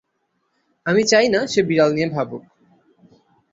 আমি চাই না সে বিড়াল নিয়ে ভাবুক।